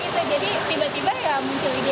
jadi tiba tiba ya muncul ini aja